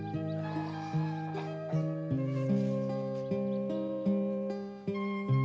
dan membuatkan kemampuan anda